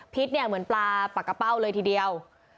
เนี่ยเหมือนปลาปากกะเป้าเลยทีเดียว